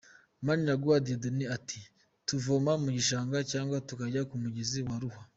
Maniraguha Dieudonné ati “ Tuvoma mu gishanga cyangwa tukajya mu mugezi wa Ruhwa.